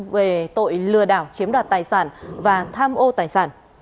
về tội lừa đảo chiếm đoạt tài sản và tham ô tài sản